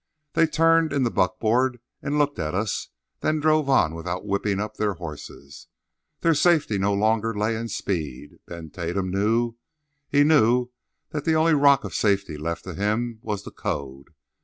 They turned in the buckboard and looked at us; then drove on without whipping up their horses. Their safety no longer lay in speed. Ben Tatum knew. He knew that the only rock of safety left to him was the code.